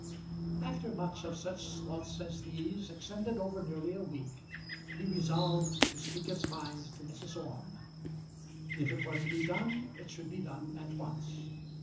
After much of such thoughts as these, extended over nearly a week, he resolved to speak his mind to Mrs. Orme. If it were to be done it should be done at once.